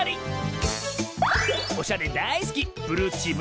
おしゃれだいすき